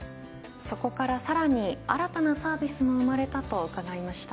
そこからさらに新たなサービスも生まれたと伺いました。